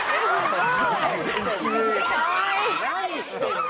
何してんの？